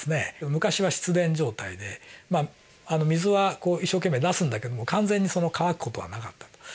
昔は湿田状態で水は一生懸命出すんだけども完全に乾く事はなかったと。